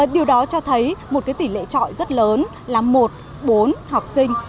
điều đó cho thấy một tỷ lệ trọi rất lớn là một bốn học sinh